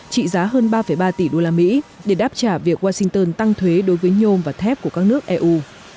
trị giá hơn ba ba tỷ đô la mỹ để đáp trả việc washington tăng thuế đối với nhôm và thép của các nước eu